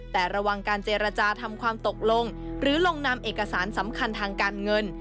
แต่ระวังการเจรจาทำความตกลงหรือลงนำเอกสารสำคัญทางการเงิน